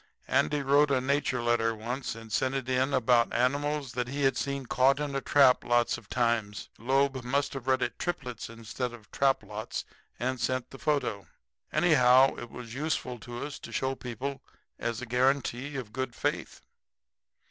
Andy wrote a nature letter once and sent it in about animals that he had seen caught in a trap lots of times. Loeb must have read it 'triplets,' instead of 'trap lots,' and sent the photo. Anyhow, it was useful to us to show people as a guarantee of good faith.